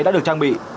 đã được trang bị